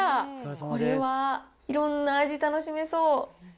これはいろんな味、楽しめそう。